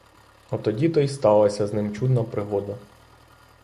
Отоді-то й сталася з ним чудна пригода.